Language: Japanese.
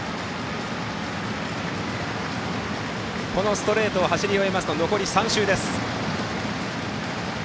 ストレートを走り終えると残り３周です。